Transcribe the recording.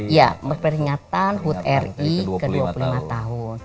ya peringatan hud ri ke dua puluh lima tahun